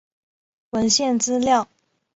文献资料